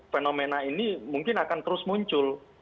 fenomena ini mungkin akan terus muncul